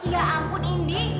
ya ampun indi